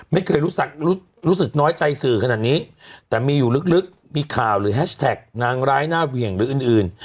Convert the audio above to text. ไม่เคยรู้สึกรู้สึกน้อยใจสื่อขนาดนี้แต่มีอยู่ลึกมีข่าวหรือแฮชแท็กนางร้ายหน้าเหวี่ยงหรืออื่นอื่น